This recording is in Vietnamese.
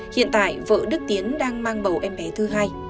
hiện tại vợ đức tiến đang mang bầu em bé thứ hai